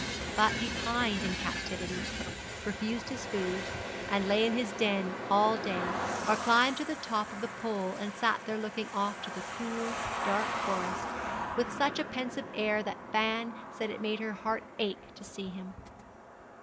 But he pined in captivity, refused his food, and lay in his den all day, or climbed to the top of the pole and sat there looking off to the cool, dark forest, with such a pensive air that Fan said it made her heart ache to see him.